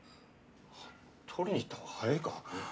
取りに行ったほうが早いか。